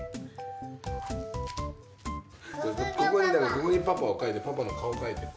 ここにパパをかいてパパのかおかいて。